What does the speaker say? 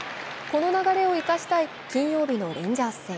この流れを生かしたい金曜日のレンジャーズ戦。